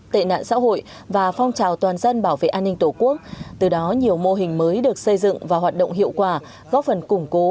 tệ nạn xã hội và phong trào toàn dân bảo vệ an ninh tổ quốc từ đó nhiều mô hình mới được xây dựng và hoạt động hiệu quả góp phần củng cố